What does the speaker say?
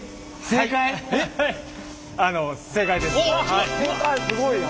正解すごいな。